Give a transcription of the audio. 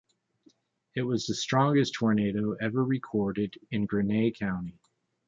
It was the strongest tornado ever recorded in Greene County.